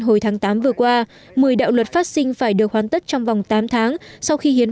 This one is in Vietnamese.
hồi tháng tám vừa qua một mươi đạo luật phát sinh phải được hoàn tất trong vòng tám tháng sau khi hiến